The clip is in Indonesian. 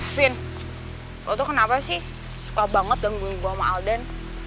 fin lo tuh kenapa sih suka banget gangguin gue sama aldan